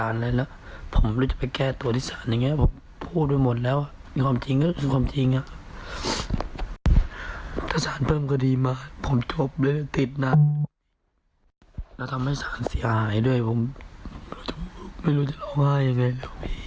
เราทำให้สารเสียอายด้วยผมดูไม่รู้จะรอไห้เลย